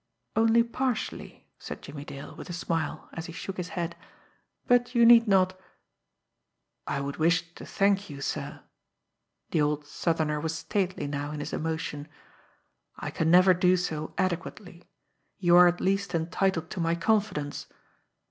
"Only partially," said Jimmie Dale with a smile, as he shook his head. "But you need not " "I would wish to thank you, sir." The old Southerner was stately now in his emotion. "I can never do so adequately. You are at least entitled to my confidence."